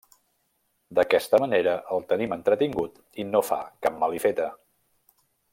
D'aquesta manera el tenim entretingut i no fa cap malifeta.